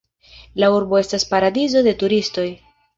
La urbo estas paradizo de turistoj.